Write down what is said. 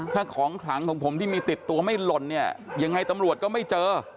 ถ้าของขลังของผมที่มีติดตัวไม่หล่นเนี่ยยังไงตำรวจก็ไม่เจอ